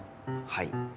はい。